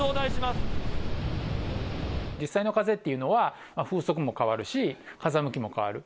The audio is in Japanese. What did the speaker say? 実際の風っていうのは、風速も変わるし、風向きも変わる。